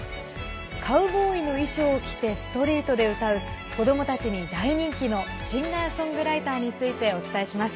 カウボーイの衣装を着てストリートで歌う子どもたちに大人気のシンガーソングライターについてお伝えします。